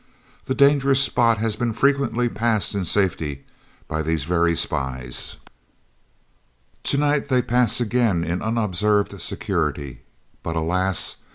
The dangerous spot has been frequently passed in safety by these very spies. To night they pass again in unobserved security, but alas!